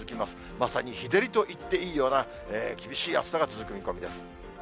まさに日照りといっていいような厳しい暑さが続く見込みです。